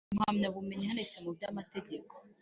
impamyabumenyi ihanitse mu by amategeko